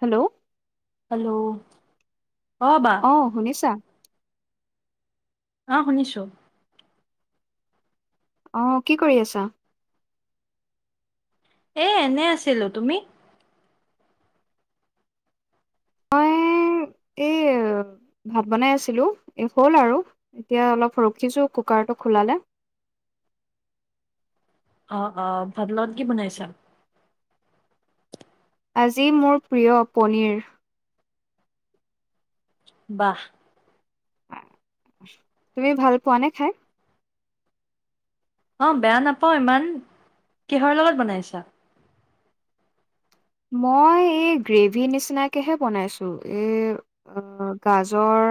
Hello. Hello. অ শুনিছা? আহ শুনিছো। অ কি কৰি আছা? এ এনে আছিলো, তুমি? মই এই ভাত বনাই আছিলো। এই হ'ল আৰু, এতিয়া অলপ ৰখিছোঁ কুকাৰটো খোলালে। আহ আহ ভাতৰ লগত কি বনাইছা? আজি মোৰ প্ৰিয় পনীৰ। বাহ। তুমি ভাল পোৱা নে খাই? অ বেয়া নাপাওঁ ইমান। কিহৰ লগত বনাইছা? মই এই গ্ৰেভি নিচিনাকেহে বনাইছোঁ। এই গাজৰ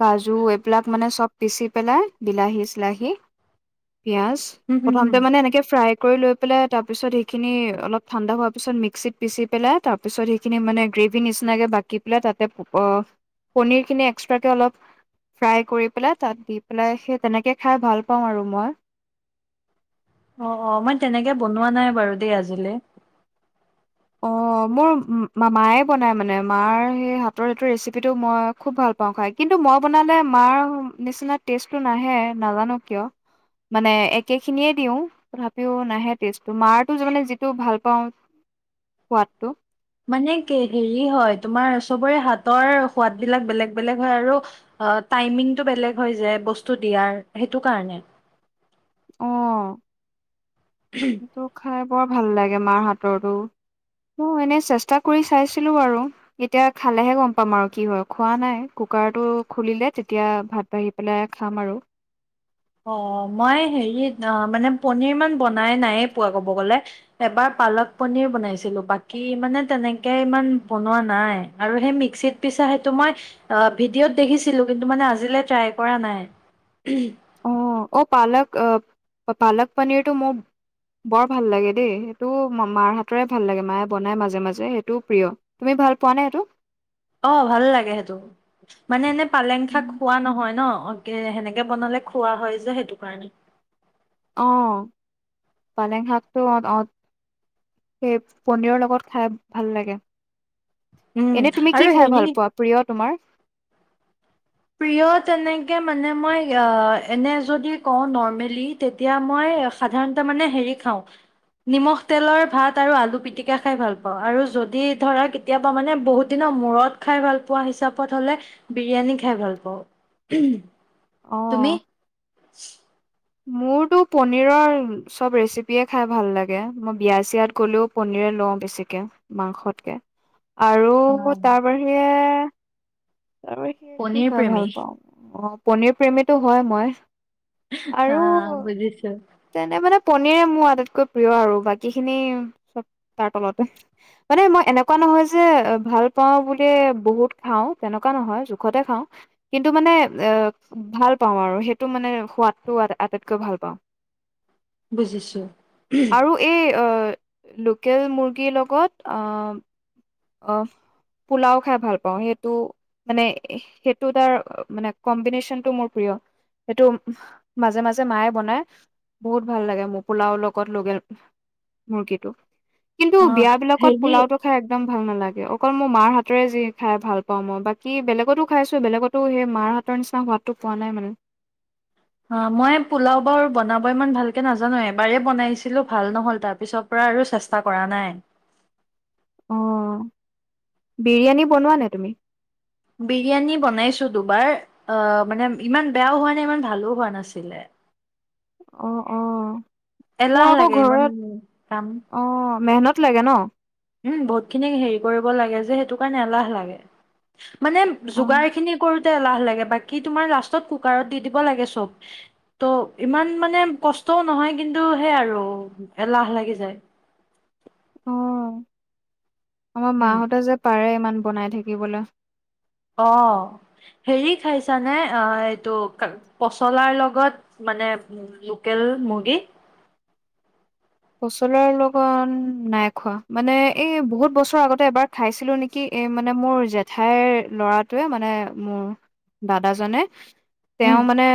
কাজু এইবিলাক মানে চব পিচি পেলাই বিলাহী চিলাহী। পিয়াজ হম হম হম প্ৰথমতে মানে এনেকে ফ্ৰাই কৰি লৈ পেলায় তাৰ পিছত সেইখিনী অলপ ঠাণ্ডা পিছত মিক্সিত পিচি পেলাই, তাৰপিছত সেইখিনি মানে গ্ৰেভি নিচিনকে বাকি পেলাই, তাতে পনিৰখিনি এক্সট্ৰাকে অলপ ফ্ৰাই কৰি পেলাই তাত দি পেলাই সেই তেনেকে খাই ভাল পাওঁ আৰু মই। অ অ মই তেনেকে বনোৱা নাই বাৰু দেই আজিলে। অ মোৰ মায়ে বনায় মানে মাৰ সেই হাতৰটো ৰেচিপিটো মই খুব ভাল পাওঁ খাই। কিন্তু মই বনালে মাৰ নিচিনা টেষ্টটো নাহে। নাজানো কিয়? মানে একেখিনিয়ে দিওঁ তথাপিও নাহে টে মাৰটো যি ভাল পাওঁ। সোৱাদটো। মানে কি সেৰি হয়, তোমাৰ চবৰে হাতৰ সোঁৱাদ বিলাক বেলেগ বেলেগ হয় আৰু, অ টাইমমিং টো বেলেগ বেলেগ হয় যে বস্তু দিয়াৰ। সেইটো কাৰণে। অহ। ত খাই। বৰ ভাল লাগে মাৰ হাতৰতো। ম এনেই চেষ্টা কৰি চাইছিলোঁ আৰু এতিয়া খালেহে গম পাম আৰু কি হয়। খোৱা নাই কুকাৰটো খুলিলে তেতিয়া ভাত বাহি পেলাই খাম আৰু। অ মই হেৰিত মানে পনিৰ ইমান বনাই নাইে পোৱা ক'ব গ'লে এবাৰ পালক পনিৰ বনাইছিলো বাকী মানে তেনেকে ইমান বনোৱা নাই আৰু সেই মিক্সিত পিছা সেইটো মই ভিডিঅ'ত দেখিছিলো কিন্তু মানে আজিলৈ ট্ৰাই কৰা নাই অ অ পালক আহ পালক পনীৰটো মোৰ বৰ ভাল লাগে দেই সেইটো মাৰ হাতৰে ভাল লাগে মায়ে বনাই মাজে মাজে সেইটোও প্ৰিয় তুমি ভাল পোৱা নে এইেইটো অ ভাল লাগে সেইটো মানে এনে পালেং শাক খোৱা নহয় ন অ সেনেকে বনালে খোৱা হয় যে সেইটো কাৰণে অ পালেং শাকটো অ অ সেই পনিৰৰ লগত খাই ভাল লাগে উম এনে তুমি আৰু কি খাই হেৰি ভাল পোৱা প্ৰিয় তোমাৰ প্ৰিয় তেনেকে মানে মই এনে যদি কওঁ নৰ্মেলি তেতিয়া মই সাধাৰণ মানে হে খা নিমখ তেলৰ ভাত আৰু আলু পিটিকা খাই ভাল পাওঁ আৰু যদি ধৰা কেতিয়াবা মানে বহুত দিনৰ মূৰত খাই ভাল প হিচাপত হ'লে বিৰিয়ান খ খাই ভাল পাওঁ। তুমি অ চো [unintelligible] মোৰতো পনীৰৰ সব ৰেচিপিয়ে খাই ভাল লাগে মই বিয়াচিয়াত গ'লেও পনৰে লওঁ বেছিকে মাংসতকে আৰু অ তাৰ বাহিৰে এহ তাৰ স কি পনীৰ খাই প্ৰেমী ভাল পাওঁ অপ পনীৰ প্ৰেমীতো হয় মই হা বুজিছো পনৰে মোৰ আটাইতকৈ প্ৰিয় আৰু বাকী খিনি চব তাৰ তলতে মানে মই এনেকুৱা নহয় যে ভাল পাওঁ বুলিয়ে বহুত খাওঁ তেনেকুৱা নহয় জোখতে খাওঁ কিন্তু মানে এ ভাল পাওঁ আৰু সেইটো মানে সোৱাদ ত আটাইতকৈ ভাল পাওঁ বুজিছোঁ আৰু এই অহ লোকেল মুৰ্গীৰ লগত অ আহ পোলাও খাই ভাল পাওঁ সেইটো মানে সেইটো তাৰ মানে কম্বিনেশচনটো মোৰ প্ৰিয় সেইটো মাজে মাজে মায়ে বনাই বহুত ভাল লাগে মোৰ পোলাও লগত লকেল মুৰ্গীটো কিন্তু অ বিয়া বিলাকত হেৰি পোলাওটো খাই একম ভাল নালাগে অকল মোৰ মাৰ হাতেৰে যি খাই ভাল পাওঁ মই বাকী বেলেগতো খাইছোঁ বেলেগতো সেই মাৰ হাতৰ নিচিনা সোৱাদটো পোৱা নাই মানে মই পোলাও বা বনাব ইমান ভালকে নাজানো এবাৰেই বনাইছিলোঁ ভাল নহ'ল তাৰপিছৰ পৰা আৰু চেষ্টা কৰা নাই অঁ বিৰিয়ানী বনোৱা নে তুমি বিৰিয়ানী বনাইছো দুবাৰ মানে ইমান বেয়াও হোৱা নাই ইমান ভালো হোৱা নাছিলে অ অ মোৰ এলাহ আকৌ লাগে ইমান ঘৰত কাম অ মেহনত লাগে ন উম বহুত খিনি হেৰি কৰিব লাগে যে সেইটো কাৰণে এলাহ লাগে মানে অ যোগাৰ খিনি কৰো তে এলাহ লাগে বাকী তোমাৰ লাষ্টত কুকাৰত দি দিব লাগে চব ত' ইমান মানে কষ্টও নহয় কিন্তু সেই আৰু এলাহ লাগি যায়। অহ আমাৰ উম মাহঁতে যে পাৰে ইমান বনাই থাকিবলে অ হেৰি খাইছানে এইটো পচলাৰ লগত মানে লোকেল মুৰ্গী ফচলাৰ লগত নাই খোৱা মানে এই বহুত বছৰ আগতে এবাৰ খাইছিলো নেকি এই মানে মোৰ জেঠাইৰ ল'ৰাটোৱে মানে মোৰ দাদাজনে। তেওঁ উম, মানে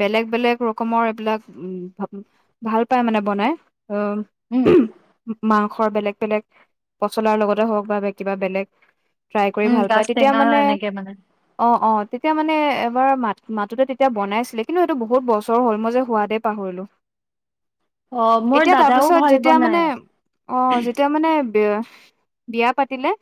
বেলেগ বেলেগ ৰকমৰ এইবিলাক, উম ভাল পাই মানে বনাই। অ, উম, মা সৰ বেলেগ বেলেগ, পচলাৰ লগতে হওক বা কিবা বেলেগ ট্ৰাই কৰি উম, ভাল গাজ পায় তেতিয়া টেঙা মানে, এনেকে মানে। অ অ। তেতিয়া মানে, এবাৰ মাত মাতোঁতে তেতিয়া বনাইছিলে কিন্তু সেইটো বহুত বছৰ হ'ল মই যে সোৱাদেই পাহৰিলোঁ। অ' মোৰ এতিয়া দাদাও তাৰপিছত ভাল যেতিয়া বনাই। মানে, অ যেতিয়া মানে বিয়, বিয়া পাতিলে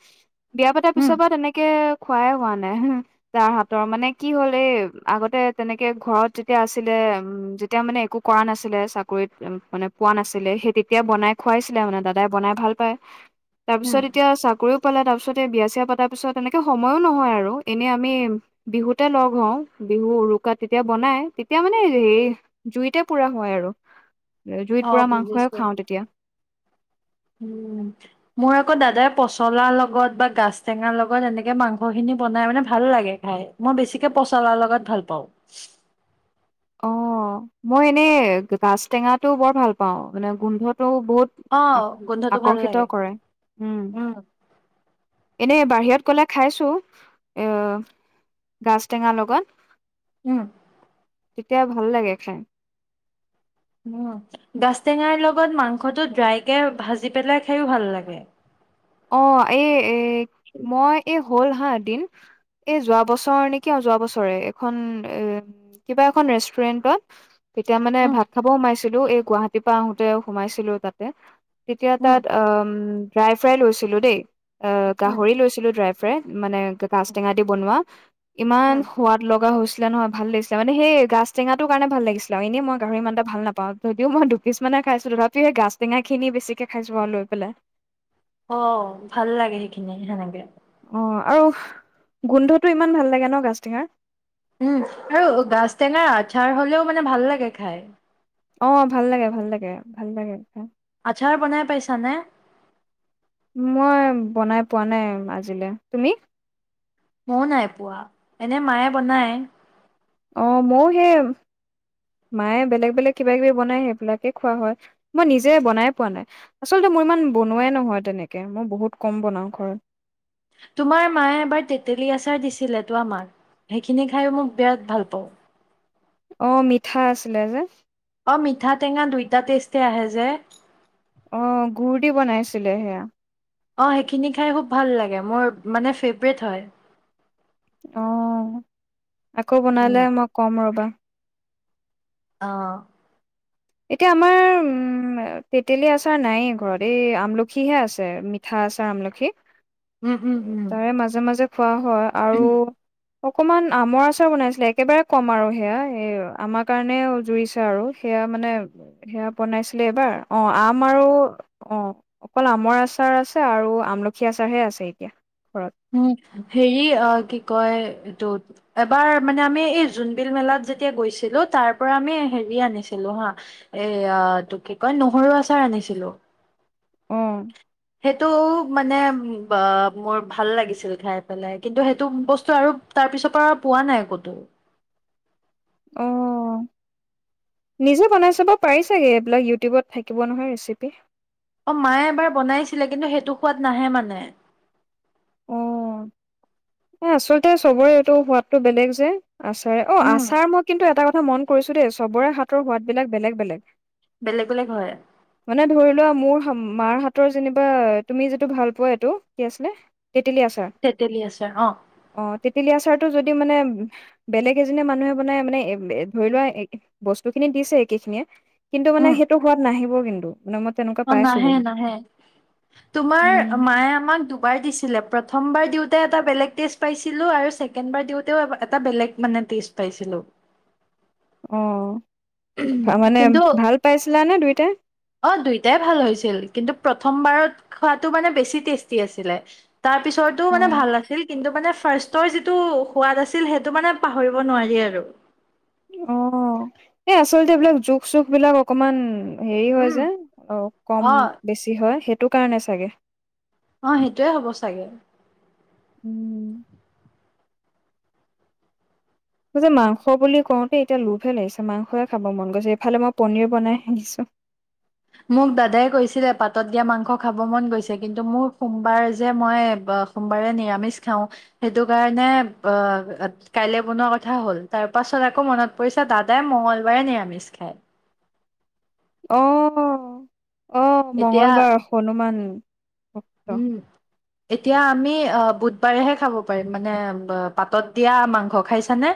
বিয়া পতাৰ উম। পিছৰ পৰা তেনেকে খুৱাই হোৱা নাই হ, তাৰ হাতৰ মানে কি হ'ল এই আগতে তেনেকে ঘৰত যেতিয়া আছিলে, উম যেতিয়া মানে একো কৰা নাছিলে চাকৰিত মানে পোৱা নাছিলে সেই তেতিয়া বনাই খোৱাইছিলে মানে দাদাই বনাই ভাল পায় উম, তাৰপিছত এতিয়া চাকৰিও পালা তাৰ পিছতে বিয়া চিয়া পতাৰ পিছত এনেকে সময়ো নহয় আৰু এনে আমি বিহুতে লগ হওঁ বিহু উৰুকাত তেতিয়া বনাই, তেতিয়া মানে সেই জুইতে পুৰা হয় আৰু। জুইত অ পুৰা মাংসই বুজিছো, খাওঁ তেতিয়া উম মোৰ আকৌ দাদাৰ পচলাৰ লগত বা গাজ টেঙাৰ লগত এনেকে মাংসখিনি বনাই মানে ভাল লাগে খাই, মই বেছিকে পচলাৰ লগত ভাল পাওঁ। অ, মই এনেই গাজ টেঙাটো বৰ ভাল পাওঁ মানে গোন্ধ বহুত অ গোন্ধটো ভাল আকৰ্ষিত লাগে কৰে, উম। এনেই বাহিৰত গ'লে খাইছো, এ গাজ টেঙা লগত উম। তেতিয়া ভাল লাগে খায়। গাজ টেঙাৰ লগত মাংসটো ড্ৰাইকে ভাজি পেলাই খায়ো ভাল লাগে। অ, এই এ, মই এই হ'ল হা দিন, এ যোৱা বছৰ নেকি অ যোৱা বছৰে এখন এ কিবা এখন ৰেষ্টুৰেন্টত তেতিয়া মানে উম ভাত খাব সোমাইছোঁ। ছিলো এই গুৱাহাটীৰ পৰা আহোতে সোমাইছিলো তাতে তেতিয়া তাত উম ৰা ফ্ৰাই লৈছিলো দেই। অ উম গাহৰি লৈছিলো ড্ৰাই ফ্ৰে মানে গাছ টেঙা দি বনোৱা ইমান উম সোৱাদ লগা হৈছিল আছিলে নহয় ভাল লাগে মানে সেই গাছ টেঙাটো কাৰনে ভাল লাগিছিল আৰু এনেই মই গাহৰি ইমান এ ভাল নাপাওঁ, যদিও মই দুপিছ মানে খাইছিলো তথাপি সেই গাছ টেঙা খিনি বেছিকে খাইছো আৰু লৈ পেলাই অ ভাল লাগে সেইখিনি সেনেকে অ আৰু, গোন্ধটো ইমান ভাল লাগে ন গাছ টেঙাৰ উম আৰু গাছ টেঙাৰ আচাৰ হলেও মানে ভাল লাগে খাই। অ ভাল লাগে, ভাল লাগে ভাল লাগে। আচাৰ বনাই পাইছানে। মই বনাই পোৱা নাই আজিলৈ তুমি। মইও নাই পোৱা এনে মায়ে বনায়। অ মইও সেই মায়ে বেলেগ বেলেগ কিবা কিবি বনাই সেইবিলাকে খোৱা হয় ।মই নিজে বনাই পোৱা নাই আচলতে মোৰ ইমান বনোৱাই নহয় তেনেকে মই বহুত কম বনাওঁ ঘৰত। তোমাৰ মায়ে এবাৰ তেতেলী আচাৰ দিছিল তো আমাক সেইখিনি খায়ো মোক বিৰাট ভাল পাওঁ। অ মিঠা আছিলে যে। অ মিঠা টেঙা দুইটা টেষ্টে আহে যে। আহ ঘুুৰ দি বনাইছিলে সেয়া। অ সেইখিনি খাই খুব ভাল লাগে মোৰ মানে ফেভৰেট হয়। আহ। আকৌ বনালে উম। মই ক'ম ৰ'বা। আহ। এতিয়া আমাৰ উম তেতেলী আচাৰ নাই ঘৰত এই আমলখিহে আছে মিঠা আচাৰ আমলখি। উম উম উম তাৰে মাজে মাজে। খোৱা হয় আৰু। অকমান আমৰ আচাৰ বনাইছিলে একেবাৰে কম আৰু সেয়া এই আমাৰ কাৰণে জুৰিছে আৰু সেয়া। মানে সেয়া বনাইছিলে এইবাৰ অঁ আম আৰু অঁ অকল আমৰ আচাৰ আছে আৰু আমলখি আচাৰহে আছে এতিয়া।। ঘৰত উম সেৰি কি কয়।। এইটো এবাৰ মানে আমি এই জোনবিল মেলাত যেতিয়া গৈছিলো তাৰ পৰা আমি হেৰি আনিছিলো হা এটো কি কয় নহৰু আচাৰ আনিছিলো।। উম।। সেইটো মানে মোৰ ভাল লাগিছিল খাই পেলাই কিন্তু সেইটো বস্তু আৰু তাৰ পিছৰ পৰা পোৱা নাই ক'তো অ নিজে বনাই চাব পাৰিছাগে এইবিলাক ইউটিউবত থাকিব নহয় ৰেচিপি অ মায়ে এবাৰ বনাইছিলে কিন্তু সেইটো সোৱাদ নাহে মানে অ এ আচলতে চবৰে এইটো সোৱাদটো বেলেগ যে আচাৰে অ উম। আচাৰ মই কিন্তু এটা কথা মন কৰিছো দেই, চবৰে হাতৰ সোৱাদ বিলাক বেলেগ বেলেগ বেলেগ বেলেগ হয়। মানে ধৰি লোৱা মোৰ মাৰ হাতৰ যেনিবা তুমি যিটো ভাল পোৱা এইটো কি আছিলে। তেতেলী তেতেলী আছে অঁ তেতেলি আচাৰটো যদি মানে বেলেগ এজনীয়ে মানুহে বনাই মানে ধৰি লোৱা বস্তু খিনি দিছে একে খিনিয়ে কিন্তু মানে সেইটো সোৱাদ নাহিব। কিন্তু।। মানে মই তেনেকুৱা অঁ পাইছো নাহে বহুত নাহে তোমাৰ উম মায়ে আমাক দুবাৰ দিছিলে।। প্ৰথমবাৰ দিওঁতে এটা বেলেগ টেষ্ট পাইছিলোঁ আৰু ছেকেণ্ড বাৰ দিওঁতেও এটা বেলেগ মানে টেষ্ট পাইছিলোঁ।। অঁ কিন্তু নে দুইটাই অ দুইটাই ভাল হৈছিল কিন্তু প্ৰথম বাৰত খোৱাটো মানে বেছি টেষ্টি আছিলে। তাৰ পিছতো অ মানে ভাল আছিল কিন্তু মানে ফাৰ্ষ্টৰ যিটো সোৱাদ আছিল সেইটো মানে পাহৰিব নোৱাৰি আৰু।। অঁ এই আচলতে এইবিলাক জোখ চুখ বিলাক অকমান। হেৰি হয় উম যে অ কম অ বেছি হয় সেই সেটো কাৰণে চাগে অ সেইটোৱে হ'ব চাগে উম যে মাংস বুলি কওঁতে এতিয়া লোভহে লাগিছে মাংসে খাব মন গৈছে এইফালে মই পনীৰ বনাই আহিছো মোক দাদাই কৈছিলে পাতত দিয়া মাংস খাব মন গৈছে কিন্তু মোৰ সোমবাৰ যে মই সোমবাৰে নিৰামিষ খাওঁ সেইটো কাৰণে আহ কাইলৈ বনোৱা কথা হ'ল তাৰ পাছত আকৌ মনত পৰিছে দাদাই মঙ্গলবাৰে নিৰামিষ খায় অহ অ এতিয়া মঙ্গলবাৰ হনুমান ভক্ত উম এতিয়া আমি বুধবাৰেহে খাব পাৰিম মানে পাতত দিয়া মাংস খাইছানে?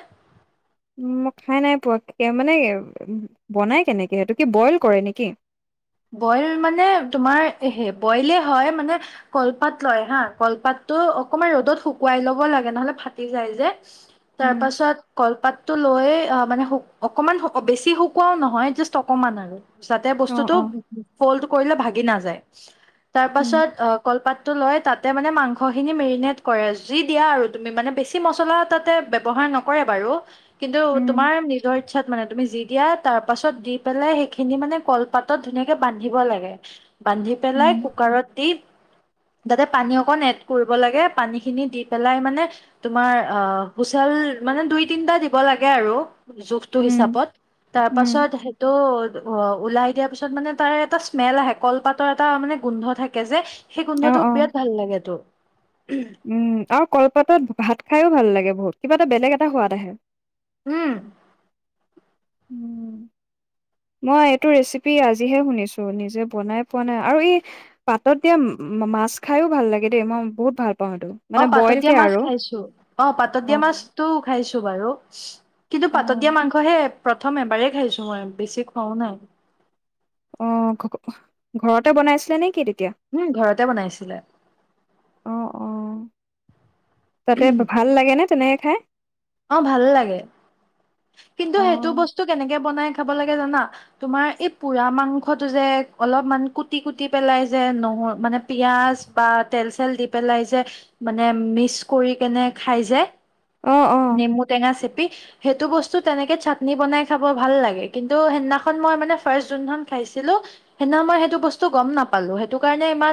উ ম খাই নাই পোৱা মানে বনাই কেনেকে সেইটো কি বইল কৰে নেকি বইল মানে তোমাৰে বইলে হয় মানে কলপাত লয় হা কলপাততটো অকমান ৰ'দত শুকুৱাই লব লাগে নহলে ফাটি যায় যে তাৰ উম, পাছত কলপাততটো লৈ আহ মানে অকমান বেছি শুকোৱাও নহয় জাষ্ট অকমান আৰু যাতে অ', বস্তুতটো অ', ফল্ড কৰিলে ভাগি নাযায় তাৰ উম, পাছত অ কলপাত তাতে লৈ মানে মাংস খিনি মেগনেত কৰে যি দিয়া আৰু তুমি মানে বেছি মছলা তাতে ব্যৱহাৰ নকৰে বাৰু কিন্তু উম, তোমাৰ নিজৰ ইচ্ছাত মানে তুমি যি দিয়া তাৰ পাছত দি পেলাই সেইখিনি মানে কলপাতত ধুনীয়াকে বান্ধিব লাগে বান্ধি পেলাই উম, কুকাৰত দি তাতে পানী অকণ এড কৰিব লাগে পানী খিনি দি পেলাই মানে তোমাৰ আহ হুচেল মানে দুই তিনটা দিব লাগে আৰু জোখটো উম, হিচাপত তাৰ উম, পাছত স ত' অ ওলাই দিয়া পিছত তত মানে তাৰ এটা স্মেল আহে কলপাতৰ এটা মানে গোন্ধ থাকে যে সেই অ', গোন্ধটোক অ', বিৰাট ভাল লাগেত তো উম আৰু কলপাতত ভাত খাইও ভাল লাগে বহুত কিবা এটা বেলেগ এটা সোৱাদ আহে উম উম মই এইটো ৰেচিপি আজিহে শুনিছো নিজে বনাই পোৱা নাই আৰু এই পাতত দিয়া মাছ খাইও ভাল লাগে দেই মই বহুত ভাল পাওঁ এইটো অ মানে পাতত বইল কে দিয়া মাছ আৰু খাইছো অ পাতত দিয়া মাছতটো খাইছো অ পাতত দিয়া মাংস হে প্ৰথম এবাৰ খাইছো মই বেছি খোৱাও নাই অ ঘ ঘৰতে বনাইছিলে নে কিয়া উম ঘৰতে বনাইছিলে অ অ তাতে ভাল লাগে নে তেনে হে? অ ভাল লাগে। কিন্তু অ সেইটো বস্তু কেনেকে বনাই খাব লাগে জানা, তোমাৰ এই পোৰা মাংসটো যে অলপমান কুটি কুটি পেলাই যে নহৰু মানে পিঁযাজ বা তেল চেল দি পেলাই যে মানে মিক্স কৰি কেনে খাই যে অ অ নিমু টেঙা চিপি সেইটো বস্তু তেনেকে চাটনি বনাই খাব ভাল লাগে কিন্তু সেইদিনাখন মই মানে ফাৰ্ষ্ট যোনদিনা খন খাইছিলো, সেইদিনা মই সেইটো বস্তু গম নাপালো সেইটো কাৰণে ইমান